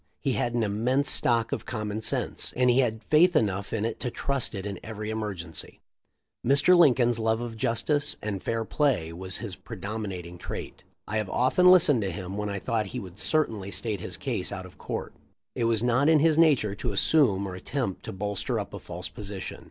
He had an immense stock of common sense, and he had faith enough in it to trust it in every emergency. Mr. Lincoln's love of justice and fair play was his predominating trait. I have < often listened to him when I thought he would ^certainly state his case out of court. It was not in "his nature to assume or attempt to bolster up a false position.